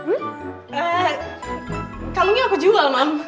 eee kalungnya aku jual mam